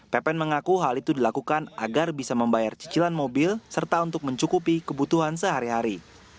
pepen mengaku hal itu dilakukan agar bisa membayar cicilan mobil serta untuk mencukupi kebutuhan sehari hari